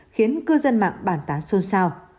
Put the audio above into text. khiến cư dân mạng bản tán xôn xao